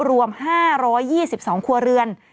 รวม๕๒๒ครัวเรือน